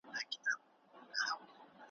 خړي څانګي تور زاغان وای ,